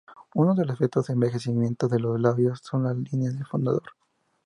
Uno de los efectos de envejecimiento en los labios son "las líneas del fumador.